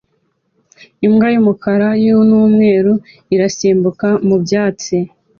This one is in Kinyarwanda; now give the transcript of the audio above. Imbwa y'umukara n'umweru irasimbuka mu byatsi